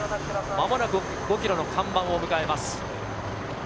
間もなく５ｋｍの看板を迎えます。